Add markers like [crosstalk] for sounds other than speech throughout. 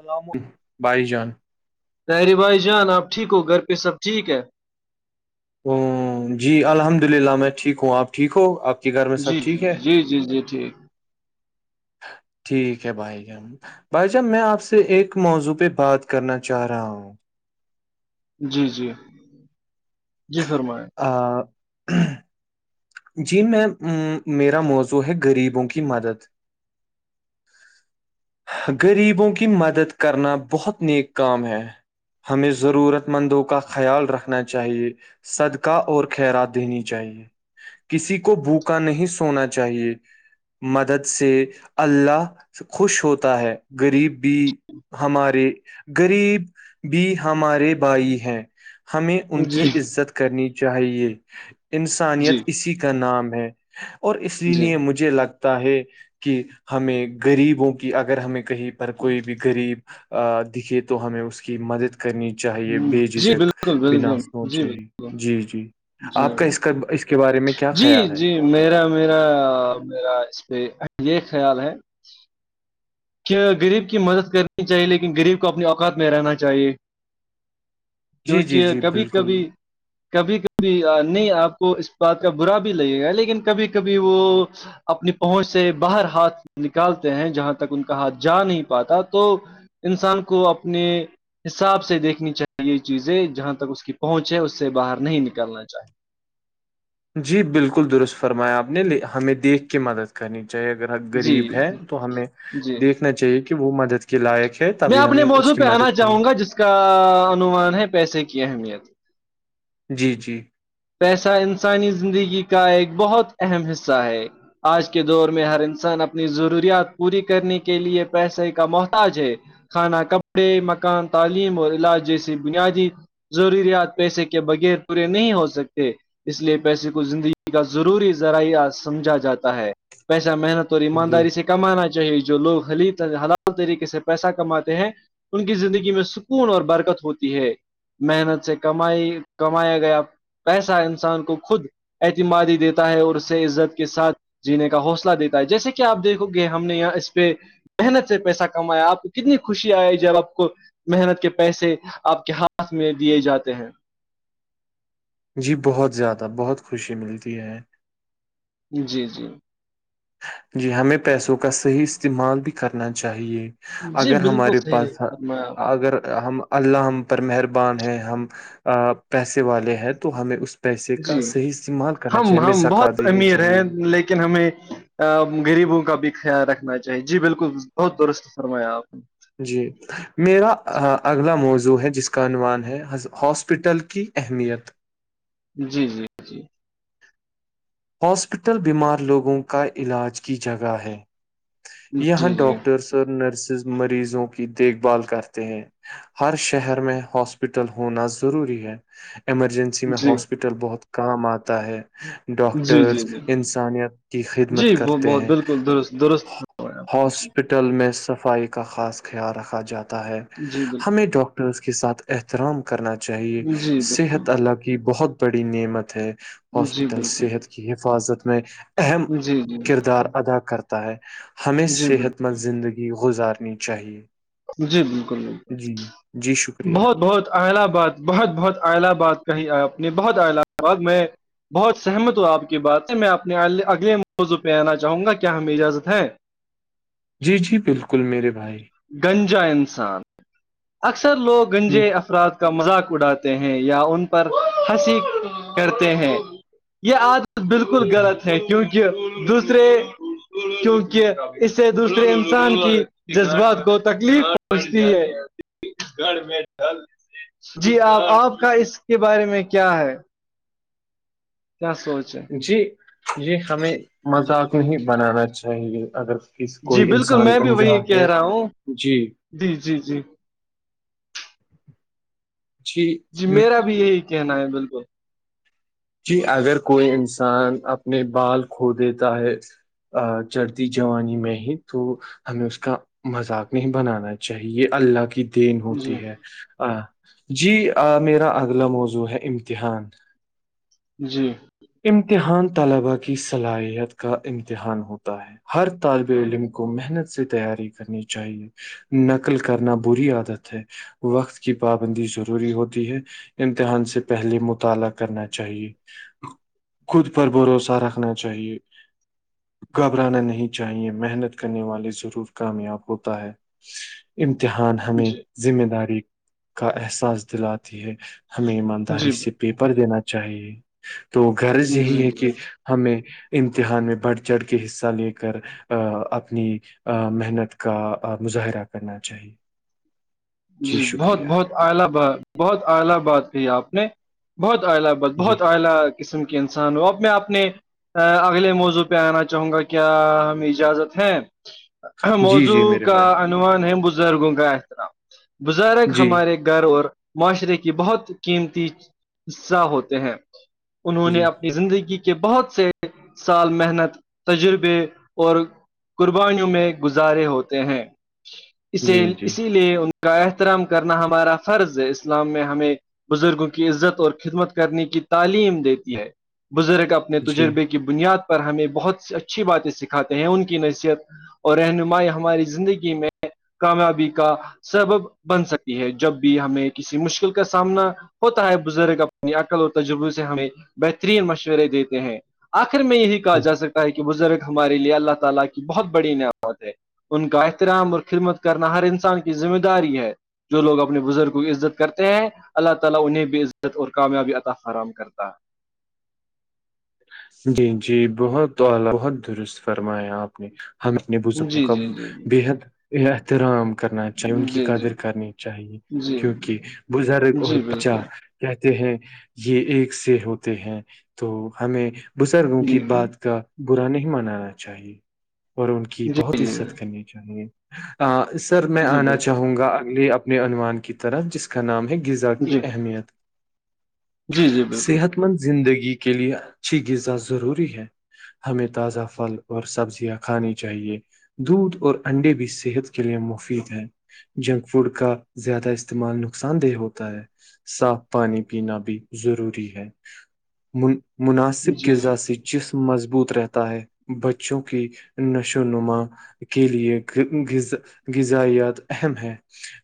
اللام بھائی جان ترے بھائی جان آپ ٹھیک ہو گھر پہ سب ٹھیک ہے جی الحمد للہ میں ٹھیک ہوں آپ ٹھیک ہو آپ کے گھر میں جی سب جی ٹھیک ہے جی جی جی ٹھیک ٹھیک ہے بھائی ہم بھائی جان میں آپ سے ایک موضوع پہ بات کرنا چاہ رہا ہوں جی جی جی فرمائیں آ جی میں میرا موضوع ہے غریبوں کی مدد غریبوں کی مدد کرنا بہت نیک کام ہے ہمیں ضرورت مندوں کا خیال رکھنا چاہیے صدقہ اور خیرات دینی چاہیے کسی کو بھوکا نہیں سونا چاہیے مدد سے اللہ خوش ہوتا ہے غریب بھی ہمارے غریب بھی ہمارے بھائی ہیں ہمیں ان جی کی عزت کرنی چاہیے جی انسانیت اسی کا نام ہے اور اس جی لیے مجھے لگتا ہے کہ ہمیں غریبوں کی اگر ہمیں کہیں پر کوئی بھی غریب دکھے تو ہمیں اس کی مدد کرنی چاہیے بے جی جھجک بالکل بنا بالکل سوچ جی ہی بالکل جی جی جی آپ کا اس کا اس کے بارے میں کیا جی خیال ہے جی میرا میرا میرا اس پہ یہ خیال ہے غریب کی مدد کرنی چاہیے لیکن غریب کو اپنے اوقات میں رہنا چاہیے جی جی کیونکہ جی کبھی بالکل کبھی کبھی کبھی نہیں آپ کو اس بات کا برا بھی لگے گا لیکن کبھی کبھی وہ اپنی پہنچ سے باہر ہاتھ نکالتے ہیں جہاں تک ان کا ہاتھ جا نہیں پاتا تو انسان کو اپنے حساب سے دیکھنی چاہیے چیزیں جہاں تک اس کی پہنچ ہے اس سے باہر نہیں نکلنا چاہیے جی بالکل درست فرمایا آپ نےے ہمیں دیکھ کے مدد کرنی چاہ اگر چاہیے جی غریب ہے تو ہمیں جی دیکھنا چاہیے کہ وہ مدد کے لائق ہے میں تبھی اپنے ہمیں اس موضوع کی پہ آنا مدد کرنی چاہوں گا جس کا انومان ہے پیسے کی اہمیت جی جی پیسہ انسانی زندگی کا ایک بہت اہم حصہ ہے آج کے دور میں ہر انسان اپنی ضروریات پوری کرنے کے لیے پیسے کا محتاج ہے کھانا کپڑے مکان تعلیم اور علاج جیسی بنیادی ضروریات پیسے کے بغیر پورے نہیں ہو سکتے اس لیے پیسے کو زندگی کا ضروری ذرائعہ سمجھا جاتا ہے پیسہ محنت اور جی ایمانداری سے کمانا چاہیے جو لوگلی حلال طریقے سے پیسہ کماتے ہیں ان کی زندگی میں سکون اور برکت ہوتی ہے محنت سے کمائی کمایا گیا پیسہ انسان کو خود اعتماد ہی دیتا ہے اور اس سے عزت کے ساتھ جینے کا حوصلہ دیتا ہے جیسے کہ آپ دیکھو گے ہم نے یہاں اس پہ محنت سے پیسہ کمایا آپ کو کتنی خوشی آئی جب آپ کو محنت کے پیسے آپ کے ہاتھ میں دیے جاتے ہیں جی بہت زیادہ بہت خوشی ملتی ہے جی جی جی ہمیں پیسوں کا صحیح استعمال بھی کرنا چاہیے جی اگر بالکل ہمارے صحیح پاس فرمایا آپ اگر ہم اللہ ہم پر مہربان ہیں ہم پیسے والے ہیں تو ہمیں اس پیسے کا جی صحیح استعمال کرنا ہم چاہیے ہمیں ہم زکا بہت دینی امیر چاہیے ہیں لیکن ہمیں غریبوں کا بھی خیال رکھنا چاہیے جی بالکل بہت درست فرمایا آپ نے جی میرا اگلا موضوع ہے جس کا عنوان ہے ہاسپٹل کی اہمیت جی جی جی ہاسپٹل بیمار لوگوں کا علاج کی جگہ ہے جی یہاں جی ڈاکٹرس نرسز مریضوں کی دیکھ بھال کرتے ہیں ہر شہر میں ہاسپیٹل ہونا ضروری ہے ایمرجنسی میں جی ہاسپٹل بہت کام آتا ہے ڈاک جی جی ڈاکٹرس جی انسانیت کی خدمت جی وہ کرتے بہت ہیں بالکل درست درست فرمایا آپ نے ہاسپٹل میں صفائی کا خاص خیال رکھا جاتا ہے جی جی بالکل ہمیں ڈاکٹر ڈٹرس کے ساتھ احترام کرنا چاہیے جی بالکل صحت اللہ کی بہت بڑی نعمت ہے جی ہاسپٹل بالکل صحت کی حفاظت میں اہم جی جی کردار ادا کرتا ہے ہمیں جی صحت بالکل مند زندگی گزارنی چاہیے جی بالکل جی جی بالکل شکریہ بہت بہت اہلا بات بہت بہت اہلا بات کہیں اپ نے بہت اہلا باد میں بہت سہمت ہو آپ کی بات ہے میں اپنے اگلے موضوع پہ آنا چاہوں گا کیا ہمیں اجازت ہے جی جی بالکل میرے بھائی گنجا انسان اکثر لوگ ہ گنجے افراد مذاق اڑاتے ہیں یا ان پر ہنسی کرتے ہیں یہ آج بالکل جی غلط ہے کیونکہ دوسرے کیونکہ اسے دوسرے انسان کی جذبات کو تکلیف پہنچتی ہے گڑھ میں ڈل جی آپ آپ کا اس کے بارے میں کیا ہے چ سوچے جی یہ ہمیں مذاق نہیں بنانا چاہیے اگر ک جی کوئی بالکل انسان میں کا بھی مجا وہی ہے کہہ رہا ہوں جی جی جی جی جی میرا بھی یہی کہنا ہے بالکل جی اگر کوئی انسان اپنے بال کھو دیتا ہے چڑھتی جانی میں ہی تو ہمیں اس کا مذاق نہیں بنانا چاہیے اللہ کی دین جی ہوتی ہے جی میرا اگلا موضوع ہے امتحان جی امتحان طلبا کی صلاحیت کا امتحان ہوتا ہے ہر طالب علم کو محنت سے تیاری کرنی چاہیے نقل کرنا بری عادت ہے وقت کی پابندی ضروری ہوتی ہے امتحان سے پہلے مطالعہ کرنا چاہیے خود پر بھروسہ رکھنا چاہیے گھبرانا نہیں چاہیے محنت کرنے والے ضرور کامیاب ہوتا ہے امتحان جی ہمیں ذمہ داری کا احساس دلاتی ہے ہمیں ایمانداری سے جی پیپر دینا چاہیے تو غرض یہی جی ہے جی کہ ہمیں امتحان میں بڑھ چڑھ کے حصہ لے کر اپنی محنت کا مظاہرہ کرنا چاہیے جی بہت بہت اہلی ب بہت اہلی بات کہ آپ نے بہت اہلی جی بہت اعلی قسم کی انسان ہو اب میں آپ نے اگلے موضوع پہ آنا چاہوں گا کیا ہمیں اجازت ہے جی موضوع جی میرے کا بھائی عنوان ہے بزرگوں کا احترام بزرگ جی ہمارے گھر اور معاشرے کی بہت قیمتی حصہ ہوتے ہیں انہوں جی نے اپنی زندگی کے بہت سے سال محنت تجربے اور قربانیوں میں گزارے ہوتے ہیں جی جی اسی لیے ان کا احترام کرنا ہمارا فرض ہے اسلام میں ہمیں بزرگوں کی عزت اور خدمت کرنے کی تعلیم دیتی ہے بزرگ اپنے جی تجربے کی بنیاد پر ہمیں بہت اچھی باتیں سکھاتے ہیں ان کی نصیت اور رہنمائی ہماری زندگی میں کامیابی کا سبب بن سکتی ہے جب بھی ہمیں کسی مشکل کا سامنا ہوتا ہے بزرگ اپنی عقل اور تجربے سے ہمیں بہترین مشورے دیتے ہیں آخر میں یہی کہا جا سکتا ہے کہ بزرگ ہمارے لیے اللہ تعالی کی بہت بڑی نعمت ہے ان کا احترام اور خدمت کرنا ہر انسان کی ذمہ داری ہے جو لوگ اپنے بزرگ کو عزت کرتے ہیں اللہ تعالی انہیں بھی عزت اور کامیابی عطا فراہم کرتا ہے جی جی بہت اع بہت درست فرمایا آپ نے ہم اپنے ہے بزرگوں جی کا جی جی بے حد احترام کرنا چاہے ان کی جی جی قدر کرنی چاہے جی کیونکہ بزرگ اور جی بچا بالکل کہتے ہیں یہ ایک سے ہوتے ہیں تو ہمیں بزرگوں جی کی بات کا برا نہیں منانا چاہیے اور ان کی جی بہت جی عزت جی کرنی چاہے سر میں جی آنا بالکل چاہوں گا اگل عنوان کی طرح جس کا نام ہے غذا کی جی اہمیت جی جی بالکل صحت مند زندگی کے لیے اچھی غذا ضروری ہے ہمیں تازہ پھل اور سبزیاں کھانی چاہیے دودھ اور انڈے بھی صحت کے لیے مفید ہیں جنک فوڈ کا زیادہ استعمال نقصان دہ ہوتا ہے صاف پانی پینا بھی ضروری ہے مناسب جی جی غذا سے جسم مضبوط رہتا ہے بچوں کی نشو و نما کے لیےغذ غذایات اہم ہے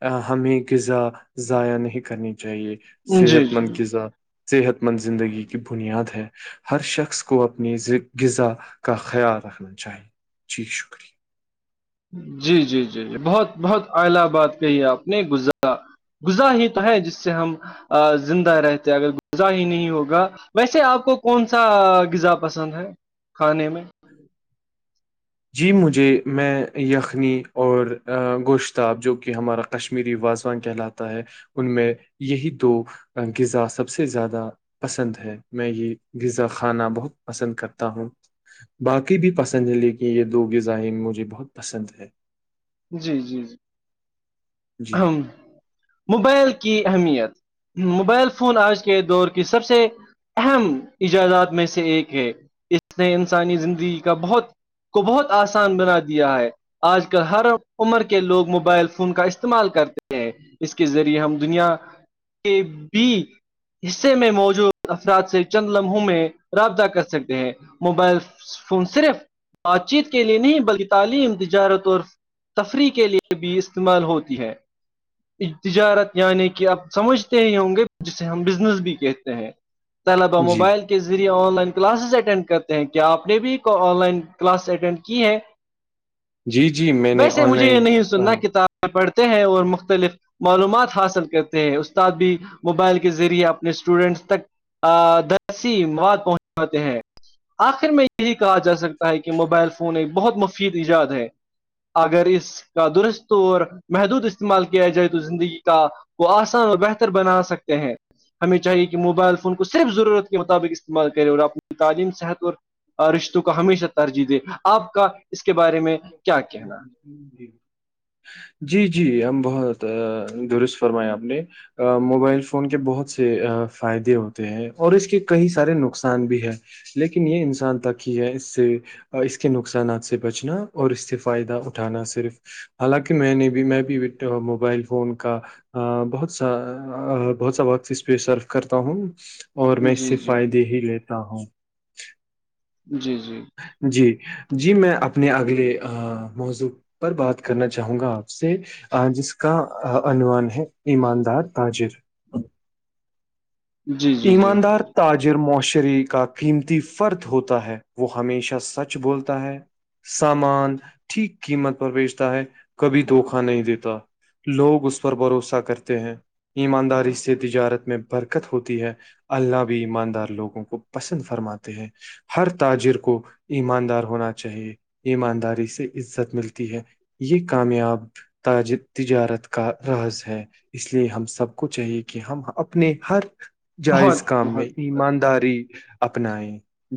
ا ہمیں غذا ضائع نہیں کرنی چاہیے جی جی صحت مند غذا صحت مند زندگی کی بنیاد ہے ہر شخص کو اپنی غذا کا خیال رکھنا چاہیے جی شکریہ جی جی جی جی بہت بہت اہلی بات کہی آپ نے گزرا گذا ہی تو ہے جس سے ہم زندہ رہتے اگر ذا ہی نہیں ہوگا ویسے آپ کو کون سا غذا پسند ہے کھانے میں جی مجھے میں یخنی اور گوشتاب جو کہ ہمارا کشمیری واازوان کہلاتا ہے ان میں یہی دو غذا سب سے زیادہ پسند ہے میں یہ زا کھانا بہت پسند کرتا ہوں باقی بھی پسند ہیں لیکن یہ دو غذائیں مجھے بہت پسند ہے جی جی جی جی ہم موبائل کی اہمیت موبائل فون آج کے دور کی سب سے اہم ایجادات میں سے ایک ہے اس نے انسانی زندگی کا بہت کو بہت آسان بنا دیا ہے آج کل ہر عمر کے لوگ موبائل فون کا استعمال کرتے ہیں اس کے ذریعے ہم دنیا [unintelligible] حصے میں موجود افراد سے چند لمحوں میں رابطہ کر سکتے ہیں موبائل فون صرف بات چیت کے لیے نہیں بلکہ تعلیم تجارت اور تفریح کے لیے بھی استعمال ہوتی ہے تجارت یعنی کہ آپ سمجھتے ہی ہوں گے جسے ہم بزنس بھی کہتے ہیں سلب جی موبائل کے ذریعے آن لائن کلاسز اٹینڈ کرتے ہیں کیا آپ نے بھی آن لائن کلاسز اٹینڈ کی ہے جی جی میں نے ویسے آن مجھے یہ لائن نہیں آ، سننا کتابیں پڑھتے ہیں اور مختلف معلومات حاصل کرتے ہیں استاد بھی موبائل کے ذریعے اپنے اسٹوڈنٹس تک درسیم وات پہنچاتے ہیں آخر میں یہی کہا جا سکتا ہے کہ موبائل فون ایک بہت مفید ایجاد ہے اگر اس کا درست اور محدود استعمال کیا جائے تو زندگی کا وہ آسان اور بہتر بنا سکتے ہیں ہمیں چاہیے کہ موبائل فون کو صرف ضرورت کے مطابق استعمال کرے اور اپنی تعلیم صحت اور رشتوں کا ہمیشہ ترجیح دے آپ کا اس کے بارے میں کیا کہنا [inaudible] جی جی ہم بہت درست فرماائے آپ نے موبائل فون کے بہت سے فائدے ہوتے ہیں اور اس کے کئی سارے نقصان بھی ہے لیکن یہ انسان تک ہی ہے اس سے اس کے نقصانات سے بچنا اور اس سے فائدہ اٹھانا صرف حالانکہ میں نے بھی میں بھی موبائل فون کا بہت سا بہت سا وقت اس پہ صرف کرتا ہوں اور میں اس جی سے جی فائدے ہی لیتا ہوں جی جی جی جی میں اپنے اگلے موضوع پر بات کرنا چاہوں گا آپ سے جس کا عووان ہے ایماندار تاجر جی جی جی ایماندار تاجر معاشرے کا قیمتی فرد ہوتا ہے وہ ہمیشہ سچ بولتا ہے سامان ٹھیک قیمت پر بیچتا ہے کبھی دھوکا نہیں دیتا لوگ اس پر بھروسہ کرتے ہیں ایمانداری سے تجارت میں برکت ہوتی ہے اللہ بھی ایماندار لوگوں کو پسند فرماتے ہیں ہر تاجر کو ایماندار ہونا چاہیے ایمانداری سے عزت ملتی ہے یہ کامیاب تاج تجارت کا رس ہے اس لیے ہم سب کو چاہیے کہ ہم اپنے ہر بہت جائز کام میں بہت ایمانداری اپنائے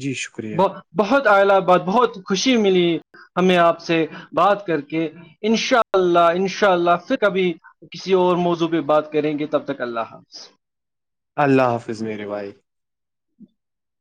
جی شکریہ بت بہت اہلی آباد بہت خوشی ملی ہمیں آپ سے بات کر کے ان شاء اللہ ان شاء اللہ پھر کبھی کسی اور موضوع پہ بات کریں گے تب تک اللہ حاظ اللہ حافظ میرے بھائی ہ